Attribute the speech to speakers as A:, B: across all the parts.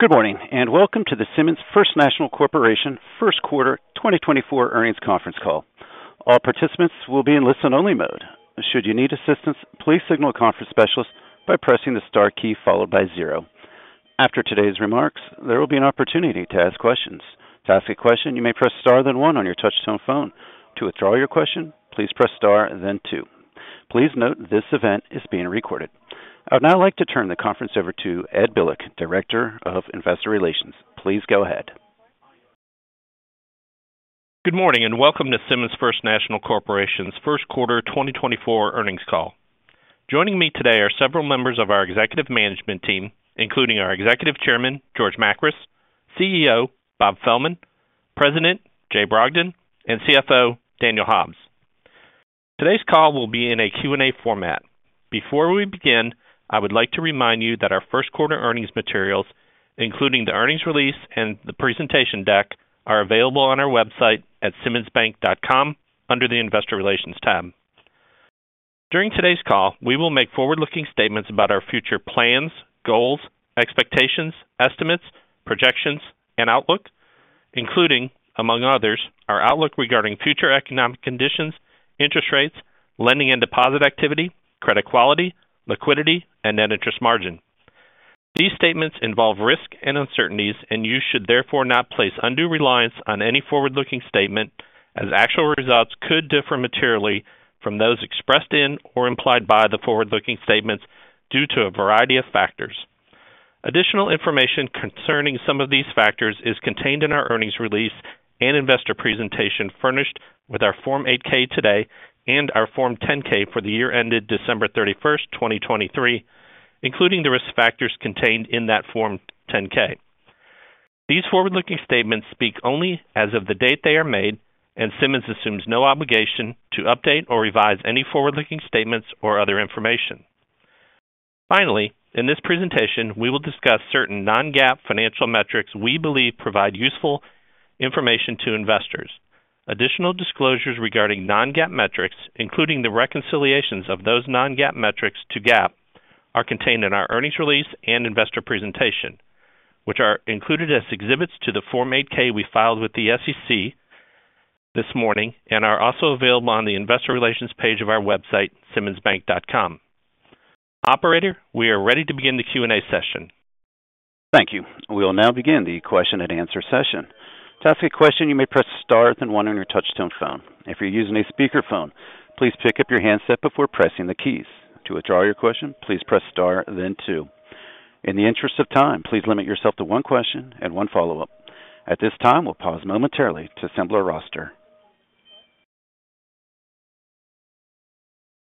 A: Good morning and welcome to the Simmons First National Corporation first quarter 2024 earnings conference call. All participants will be in listen-only mode. Should you need assistance, please signal a conference specialist by pressing the star key followed by zero. After today's remarks, there will be an opportunity to ask questions. To ask a question, you may press star then one on your touch-tone phone. To withdraw your question, please press star then two. Please note this event is being recorded. I would now like to turn the conference over to Ed Bilek, Director of Investor Relations. Please go ahead.
B: Good morning and welcome to Simmons First National Corporation's first quarter 2024 earnings call. Joining me today are several members of our executive management team, including our Executive Chairman, George Makris, CEO, Bob Fehlman, President, Jay Brogdon, and CFO, Daniel Hobbs. Today's call will be in a Q&A format. Before we begin, I would like to remind you that our first quarter earnings materials, including the earnings release and the presentation deck, are available on our website at simmonsbank.com under the Investor Relations tab. During today's call, we will make forward-looking statements about our future plans, goals, expectations, estimates, projections, and outlook, including, among others, our outlook regarding future economic conditions, interest rates, lending and deposit activity, credit quality, liquidity, and net interest margin. These statements involve risk and uncertainties, and you should therefore not place undue reliance on any forward-looking statement, as actual results could differ materially from those expressed in or implied by the forward-looking statements due to a variety of factors. Additional information concerning some of these factors is contained in our earnings release and investor presentation furnished with our Form 8-K today and our Form 10-K for the year ended December 31st, 2023, including the risk factors contained in that Form 10-K. These forward-looking statements speak only as of the date they are made, and Simmons assumes no obligation to update or revise any forward-looking statements or other information. Finally, in this presentation, we will discuss certain non-GAAP financial metrics we believe provide useful information to investors. Additional disclosures regarding non-GAAP metrics, including the reconciliations of those non-GAAP metrics to GAAP, are contained in our earnings release and investor presentation, which are included as exhibits to the Form 8-K we filed with the SEC this morning and are also available on the Investor Relations page of our website, simmonsbank.com. Operator, we are ready to begin the Q&A session.
A: Thank you. We will now begin the question-and-answer session. To ask a question, you may press star then one on your touch-tone phone. If you're using a speakerphone, please pick up your handset before pressing the keys. To withdraw your question, please press star then two. In the interest of time, please limit yourself to one question and one follow-up. At this time, we'll pause momentarily to assemble our roster.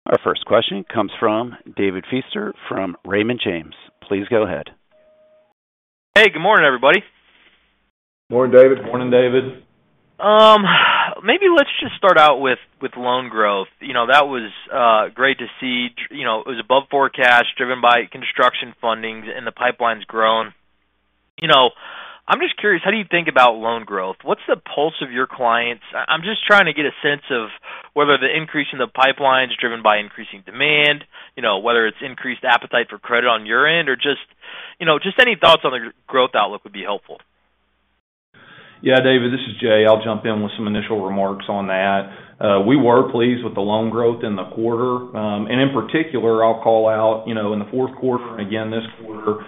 A: Our first question comes from David Feaster from Raymond James. Please go ahead.
C: Hey. Good morning, everybody.
D: Morning, David.
E: Morning, David.
C: Maybe let's just start out with loan growth. That was great to see. It was above forecast, driven by construction fundings, and the pipeline's grown. I'm just curious, how do you think about loan growth? What's the pulse of your clients? I'm just trying to get a sense of whether the increase in the pipeline's driven by increasing demand, whether it's increased appetite for credit on your end, or just any thoughts on the growth outlook would be helpful.
E: Yeah, David. This is Jay. I'll jump in with some initial remarks on that. We were pleased with the loan growth in the quarter. In particular, I'll call out in the fourth quarter and, again, this quarter,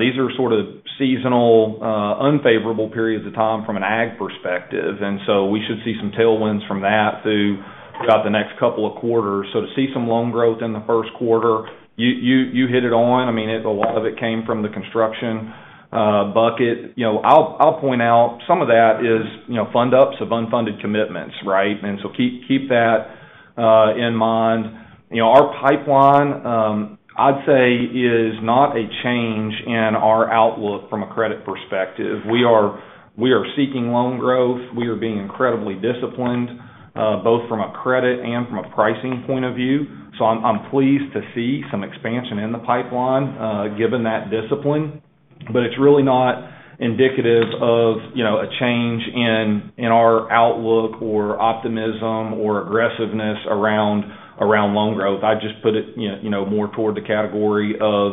E: these are sort of seasonal, unfavorable periods of time from an ag perspective, and so we should see some tailwinds from that throughout the next couple of quarters. To see some loan growth in the first quarter, you hit it on. I mean, a lot of it came from the construction bucket. I'll point out some of that is fund-ups of unfunded commitments, right? Keep that in mind. Our pipeline, I'd say, is not a change in our outlook from a credit perspective. We are seeking loan growth. We are being incredibly disciplined, both from a credit and from a pricing point of view. So I'm pleased to see some expansion in the pipeline given that discipline. But it's really not indicative of a change in our outlook or optimism or aggressiveness around loan growth. I'd just put it more toward the category of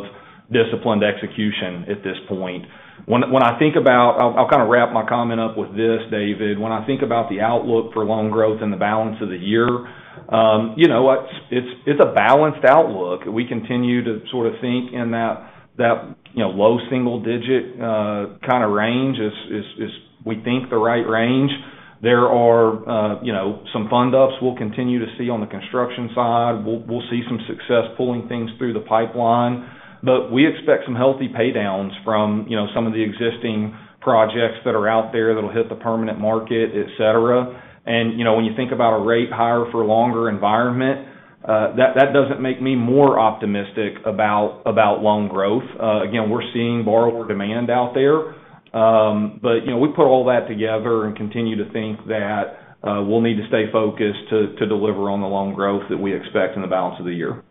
E: disciplined execution at this point. When I think about, I'll kind of wrap my comment up with this, David. When I think about the outlook for loan growth in the balance of the year, it's a balanced outlook. We continue to sort of think in that low single-digit kind of range is, we think, the right range. There are some fund-ups we'll continue to see on the construction side. We'll see some success pulling things through the pipeline. But we expect some healthy paydowns from some of the existing projects that are out there that'll hit the permanent market, etc. When you think about a rate higher for a longer environment, that doesn't make me more optimistic about loan growth. Again, we're seeing borrower demand out there. We put all that together and continue to think that we'll need to stay focused to deliver on the loan growth that we expect in the balance of the year.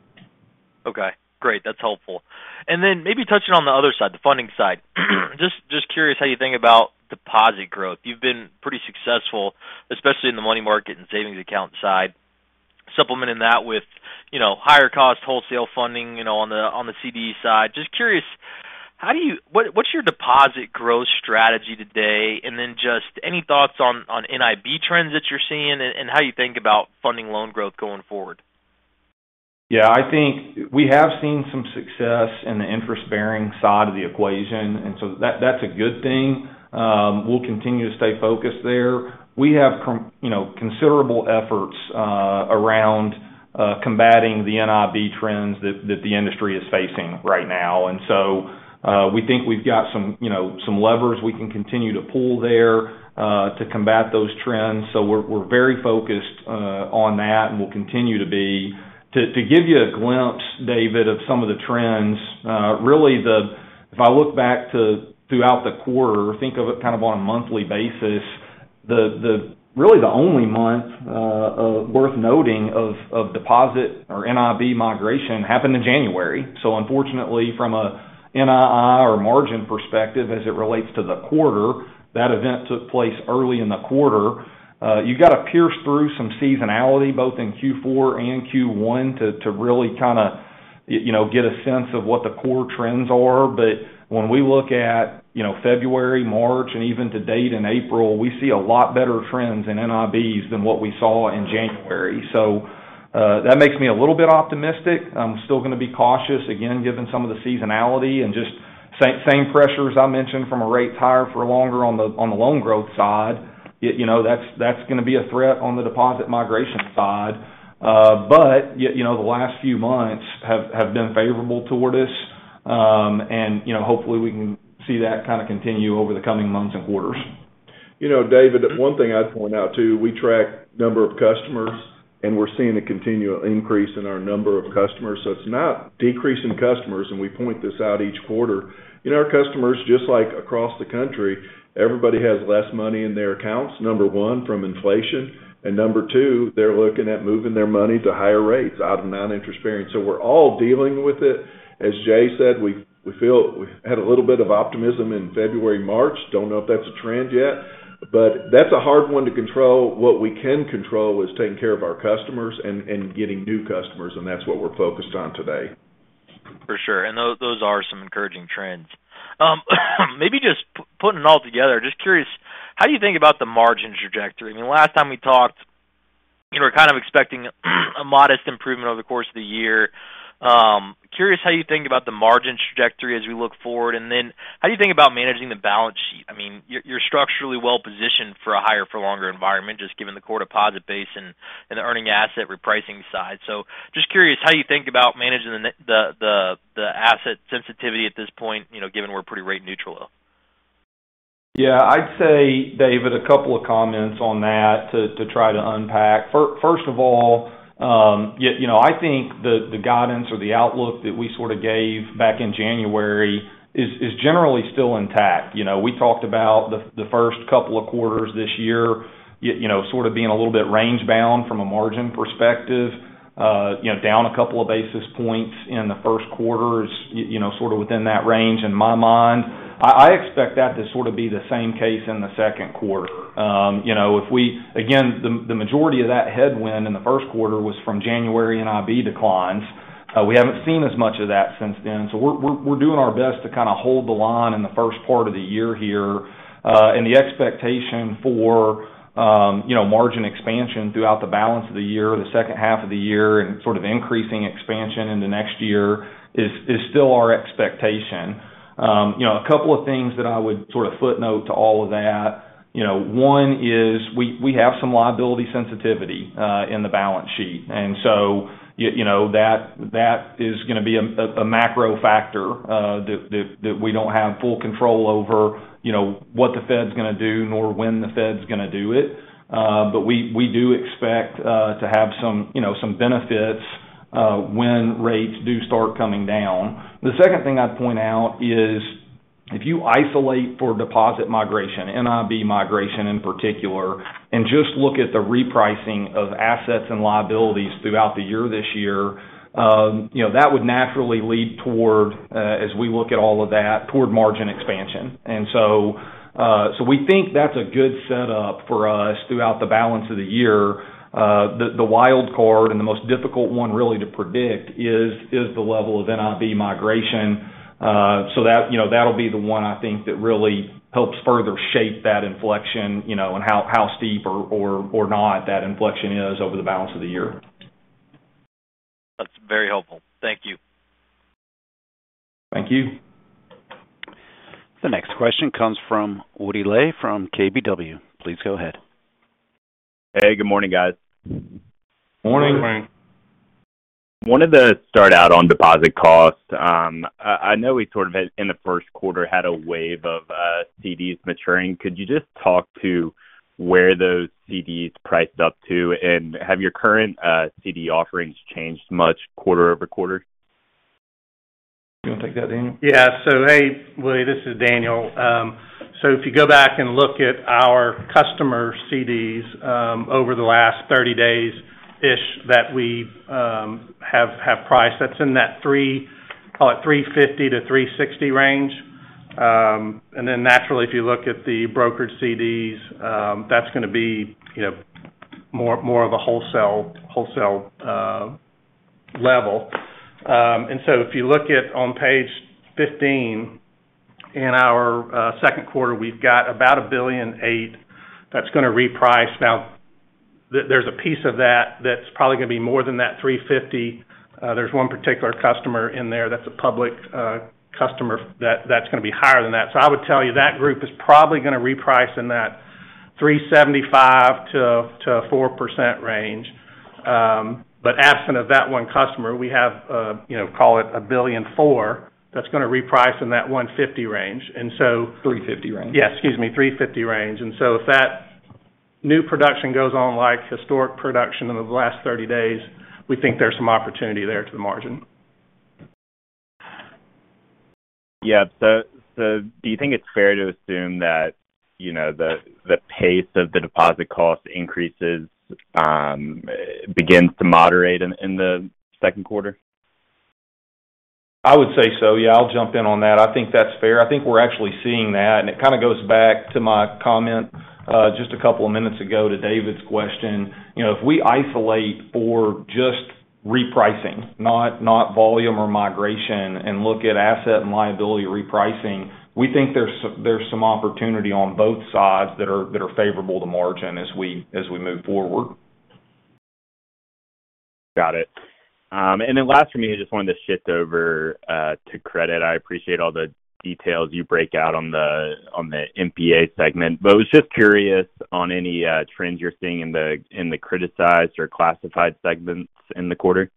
C: Okay. Great. That's helpful. And then maybe touching on the other side, the funding side, just curious how you think about deposit growth. You've been pretty successful, especially in the money market and savings account side, supplementing that with higher-cost wholesale funding on the CD side. Just curious, what's your deposit growth strategy today? And then just any thoughts on NIB trends that you're seeing and how you think about funding loan growth going forward?
E: Yeah. I think we have seen some success in the interest-bearing side of the equation, and so that's a good thing. We'll continue to stay focused there. We have considerable efforts around combating the NIB trends that the industry is facing right now. And so we think we've got some levers we can continue to pull there to combat those trends. So we're very focused on that, and we'll continue to be. To give you a glimpse, David, of some of the trends, really, if I look back throughout the quarter, think of it kind of on a monthly basis. Really, the only month worth noting of deposit or NIB migration happened in January. So unfortunately, from an NII or margin perspective, as it relates to the quarter, that event took place early in the quarter. You got to pierce through some seasonality, both in Q4 and Q1, to really kind of get a sense of what the core trends are. But when we look at February, March, and even to date in April, we see a lot better trends in NIBs than what we saw in January. So that makes me a little bit optimistic. I'm still going to be cautious, again, given some of the seasonality and just same pressures I mentioned from rates higher for longer on the loan growth side. That's going to be a threat on the deposit migration side. But the last few months have been favorable toward us, and hopefully, we can see that kind of continue over the coming months and quarters.
D: David, one thing I'd point out too, we track number of customers, and we're seeing a continual increase in our number of customers. So it's not decreasing customers, and we point this out each quarter. Our customers, just like across the country, everybody has less money in their accounts, number one, from inflation. And number two, they're looking at moving their money to higher rates out of non-interest bearing. So we're all dealing with it. As Jay said, we had a little bit of optimism in February, March. Don't know if that's a trend yet. But that's a hard one to control. What we can control is taking care of our customers and getting new customers, and that's what we're focused on today.
C: For sure. And those are some encouraging trends. Maybe just putting it all together, just curious, how do you think about the margin trajectory? I mean, last time we talked, we're kind of expecting a modest improvement over the course of the year. Curious how you think about the margin trajectory as we look forward. And then how do you think about managing the balance sheet? I mean, you're structurally well-positioned for a higher-for-longer environment, just given the core deposit base and the earning asset repricing side. So just curious how you think about managing the asset sensitivity at this point, given we're pretty rate neutral though.
E: Yeah. I'd say, David, a couple of comments on that to try to unpack. First of all, I think the guidance or the outlook that we sort of gave back in January is generally still intact. We talked about the first couple of quarters this year sort of being a little bit range-bound from a margin perspective, down a couple of basis points in the first quarter, sort of within that range in my mind. I expect that to sort of be the same case in the second quarter. Again, the majority of that headwind in the first quarter was from January NIB declines. We haven't seen as much of that since then. So we're doing our best to kind of hold the line in the first part of the year here. And the expectation for margin expansion throughout the balance of the year, the second half of the year, and sort of increasing expansion into next year is still our expectation. A couple of things that I would sort of footnote to all of that. One is we have some liability sensitivity in the balance sheet. And so that is going to be a macro factor that we don't have full control over what the Fed's going to do nor when the Fed's going to do it. But we do expect to have some benefits when rates do start coming down. The second thing I'd point out is if you isolate for deposit migration, NIB migration in particular, and just look at the repricing of assets and liabilities throughout the year this year, that would naturally lead toward, as we look at all of that, toward margin expansion. So we think that's a good setup for us throughout the balance of the year. The wild card and the most difficult one, really, to predict is the level of NIB migration. That'll be the one, I think, that really helps further shape that inflection and how steep or not that inflection is over the balance of the year.
C: That's very helpful. Thank you.
E: Thank you.
A: The next question comes from Woody Lay from KBW. Please go ahead.
F: Hey. Good morning, guys.
G: Morning.
E: Good morning.
F: Wanted to start out on deposit cost. I know we sort of, in the first quarter, had a wave of CDs maturing. Could you just talk to where those CDs priced up to? And have your current CD offerings changed much quarter over quarter?
G: You want to take that, Daniel?
H: Yeah. So hey, Woody. This is Daniel. So if you go back and look at our customer CDs over the last 30 days-ish that we have priced, that's in that, call it, 3.50%-3.60% range. And then naturally, if you look at the brokered CDs, that's going to be more of a wholesale level. And so if you look at on page 15, in our second quarter, we've got about $1.8 billion that's going to reprice. Now, there's a piece of that that's probably going to be more than that 3.50%. There's one particular customer in there that's a public customer that's going to be higher than that. So I would tell you that group is probably going to reprice in that 3.75%-4% range. But absent of that one customer, we have, call it, $1.4 billion that's going to reprice in that 1.50% range. And so.
G: 350 range.
H: Yeah. Excuse me. 350 range. And so if that new production goes on like historic production in the last 30 days, we think there's some opportunity there to the margin.
F: Yeah. So do you think it's fair to assume that the pace of the deposit cost increases begins to moderate in the second quarter?
E: I would say so. Yeah. I'll jump in on that. I think that's fair. I think we're actually seeing that. It kind of goes back to my comment just a couple of minutes ago to David's question. If we isolate for just repricing, not volume or migration, and look at asset and liability repricing, we think there's some opportunity on both sides that are favorable to margin as we move forward.
F: Got it. And then last from me, I just wanted to shift over to credit. I appreciate all the details you break out on the NPA segment. But I was just curious on any trends you're seeing in the criticized or classified segments in the quarter?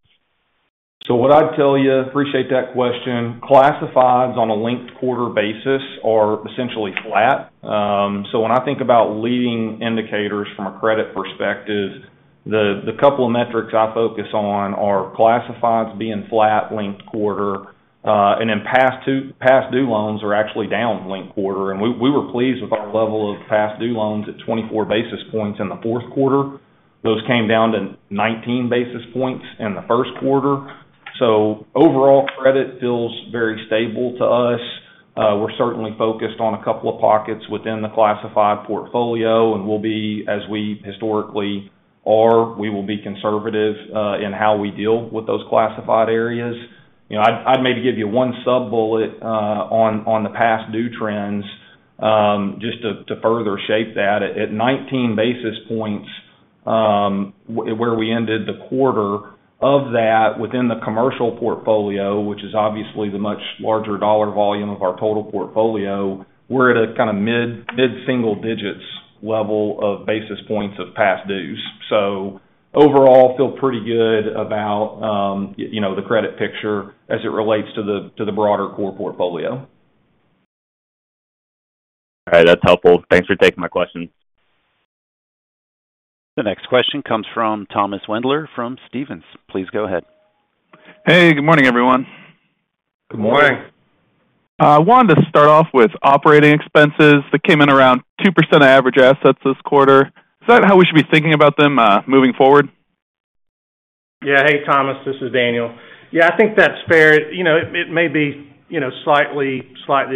G: So what I'd tell you, appreciate that question, classifieds on a linked quarter basis are essentially flat. So when I think about leading indicators from a credit perspective, the couple of metrics I focus on are classifieds being flat linked quarter, and then past-due loans are actually down linked quarter. And we were pleased with our level of past-due loans at 24 basis points in the fourth quarter. Those came down to 19 basis points in the first quarter. So overall, credit feels very stable to us. We're certainly focused on a couple of pockets within the classified portfolio. And as we historically are, we will be conservative in how we deal with those classified areas. I'd maybe give you one sub-bullet on the past-due trends just to further shape that. At 19 basis points where we ended the quarter of that within the commercial portfolio, which is obviously the much larger dollar volume of our total portfolio, we're at a kind of mid-single digits level of basis points of past dues. So overall, feel pretty good about the credit picture as it relates to the broader core portfolio.
F: All right. That's helpful. Thanks for taking my questions.
A: The next question comes from Thomas Wendler from Stephens. Please go ahead.
I: Hey. Good morning, everyone.
G: Good morning.
I: I wanted to start off with operating expenses that came in around 2% of average assets this quarter. Is that how we should be thinking about them moving forward?
H: Yeah. Hey, Thomas. This is Daniel. Yeah. I think that's fair. It may be slightly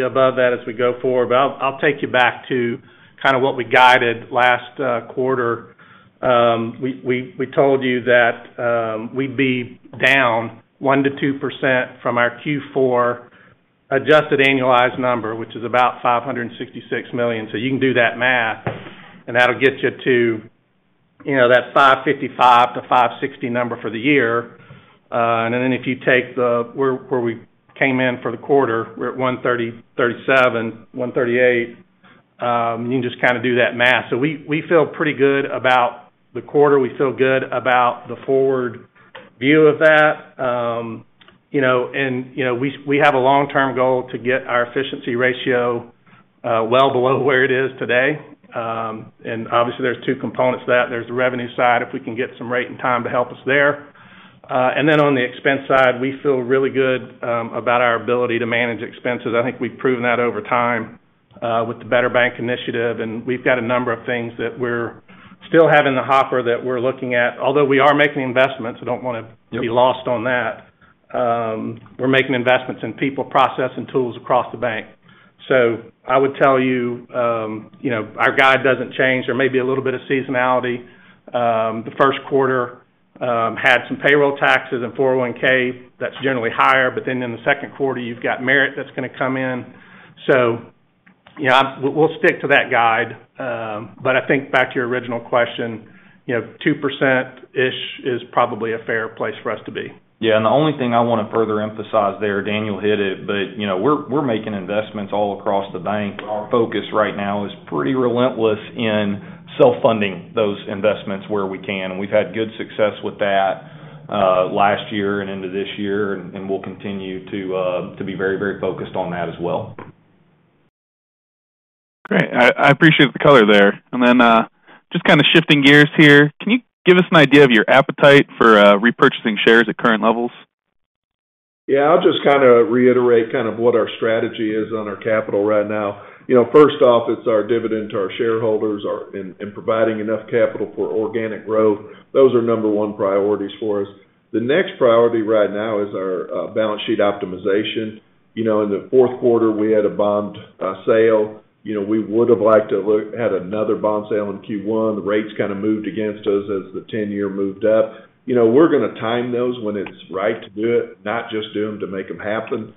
H: above that as we go forward, but I'll take you back to kind of what we guided last quarter. We told you that we'd be down 1%-2% from our Q4 adjusted annualized number, which is about $566 million. So you can do that math, and that'll get you to that $555 million-$560 million number for the year. And then if you take where we came in for the quarter, we're at $137 million, $138 million. You can just kind of do that math. So we feel pretty good about the quarter. We feel good about the forward view of that. And we have a long-term goal to get our efficiency ratio well below where it is today. And obviously, there's two components to that. There’s the revenue side, if we can get some rate and time to help us there. And then on the expense side, we feel really good about our ability to manage expenses. I think we’ve proven that over time with the Better Bank Initiative. And we’ve got a number of things that we’re still having in the hopper that we’re looking at. Although we are making investments, I don’t want to be lost on that. We’re making investments in people, process, and tools across the bank. So I would tell you our guide doesn’t change. There may be a little bit of seasonality. The first quarter had some payroll taxes and 401(k). That’s generally higher. But then in the second quarter, you’ve got merit that’s going to come in. So we’ll stick to that guide. But I think back to your original question, 2%-ish is probably a fair place for us to be.
G: Yeah. And the only thing I want to further emphasize there, Daniel hit it, but we're making investments all across the bank. Our focus right now is pretty relentless in self-funding those investments where we can. And we've had good success with that last year and into this year, and we'll continue to be very, very focused on that as well.
I: Great. I appreciate the color there. Just kind of shifting gears here, can you give us an idea of your appetite for repurchasing shares at current levels?
D: Yeah. I'll just kind of reiterate kind of what our strategy is on our capital right now. First off, it's our dividend to our shareholders in providing enough capital for organic growth. Those are number one priorities for us. The next priority right now is our balance sheet optimization. In the fourth quarter, we had a bond sale. We would have liked to had another bond sale in Q1. The rates kind of moved against us as the 10-year moved up. We're going to time those when it's right to do it, not just do them to make them happen.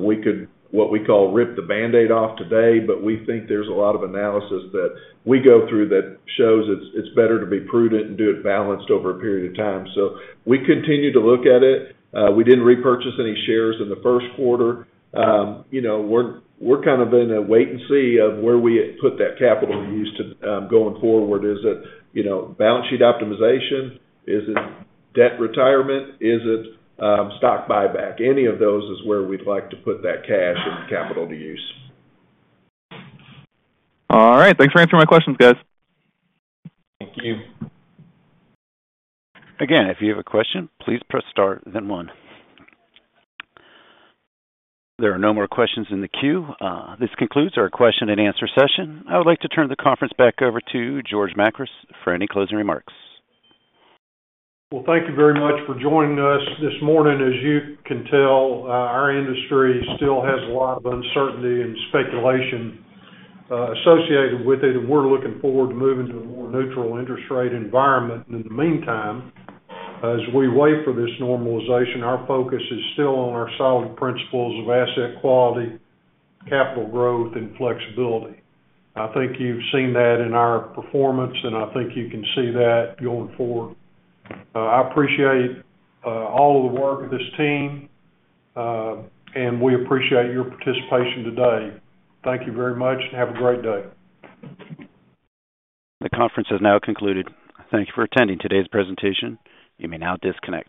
D: We could, what we call, rip the Band-Aid off today. But we think there's a lot of analysis that we go through that shows it's better to be prudent and do it balanced over a period of time. So we continue to look at it. We didn't repurchase any shares in the first quarter. We're kind of in a wait-and-see of where we put that capital to use going forward. Is it balance sheet optimization? Is it debt retirement? Is it stock buyback? Any of those is where we'd like to put that cash and capital to use.
I: All right. Thanks for answering my questions, guys.
G: Thank you.
A: Again, if you have a question, please press star, then one. There are no more questions in the queue. This concludes our question-and-answer session. I would like to turn the conference back over to George Makris for any closing remarks.
G: Well, thank you very much for joining us this morning. As you can tell, our industry still has a lot of uncertainty and speculation associated with it. We're looking forward to moving to a more neutral interest rate environment. In the meantime, as we wait for this normalization, our focus is still on our solid principles of asset quality, capital growth, and flexibility. I think you've seen that in our performance, and I think you can see that going forward. I appreciate all of the work of this team, and we appreciate your participation today. Thank you very much, and have a great day.
A: The conference has now concluded. Thank you for attending today's presentation. You may now disconnect.